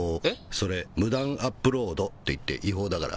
「それ無断アップロードっていって」「違法だから」